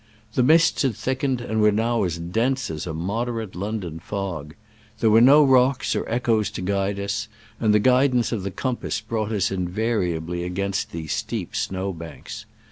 The mists had thick ened, and were now as dense as a mod erate London fog. There were no rocks or echoes to direct us, and the guidance of the compass brought us invariably against these steep snow banks.